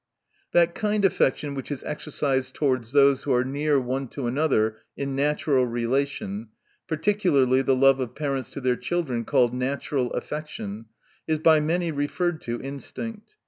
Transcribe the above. That kind of affection which is exercised towards those who are near one to another in natural relation, particularly the love of parents to their children, called natural affection, is by many referred to instinct.